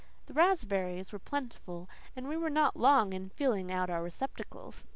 The raspberries were plentiful, and we were not long in filling our receptacles.